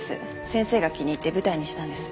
先生が気に入って舞台にしたんです。